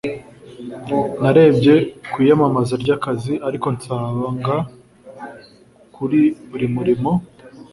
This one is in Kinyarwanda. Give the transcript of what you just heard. narebye ku iyamamaza ry'akazi, ariko nsanga kuri buri murimo